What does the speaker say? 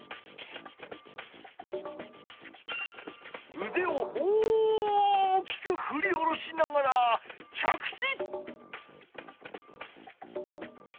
うでを大きくふり下ろしながら着地！